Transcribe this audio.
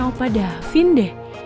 opah davin deh